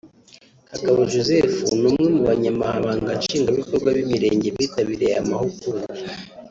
Kagabo Joseph ni umwe mu banyamabanga nshingwabikorwa b’imirenge bitabiriye aya mahugurwa